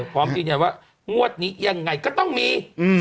ความจริงอย่างว่างวดนี้ยังไงก็ต้องมี๐